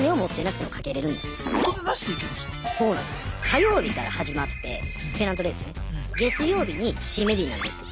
火曜日から始まってペナントレースね月曜日に締め日なんです。